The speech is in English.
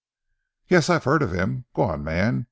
"Yes, I've heard of him! Go on, man.